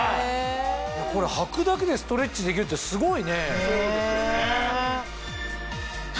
これ履くだけでストレッチできるってすごいね！ねぇ！